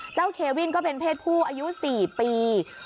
เควินก็เป็นเพศผู้อายุ๔ปี